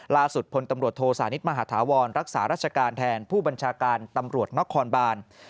ล่าสุดพลตำรวจโทสานิทมหาฐาวรรักษาราชการแทนผู้บัญชาการตำรวจนครบาน